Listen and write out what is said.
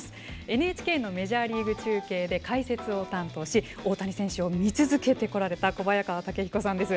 ＮＨＫのメジャーリーグ中継で解説を担当し大谷選手を見続けてこられた小早川毅彦さんです。